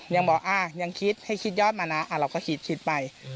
ยังบอกยังคิดให้คิดยอดมานะเราก็คิดไป